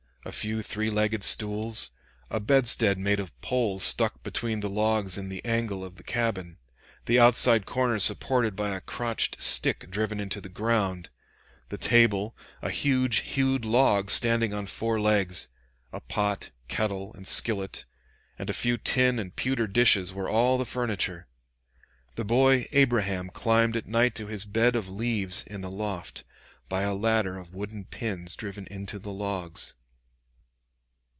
A few three legged stools; a bedstead made of poles stuck between the logs in the angle of the cabin, the outside corner supported by a crotched stick driven into the ground; the table, a huge hewed log standing on four legs; a pot, kettle, and skillet, and a few tin and pewter dishes were all the furniture. The boy Abraham climbed at night to his bed of leaves in the loft, by a ladder of wooden pins driven into the logs.